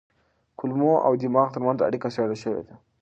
کولمو او دماغ ترمنځ اړیکه څېړل شوې ده.